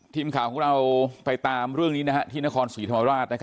ทีมข่าวของเราไปตามเรื่องในนครสุริธรรมาลวัฒน์